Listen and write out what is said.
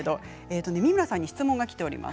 美村さんに質問がきています。